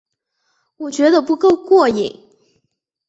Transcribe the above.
我觉得不够过瘾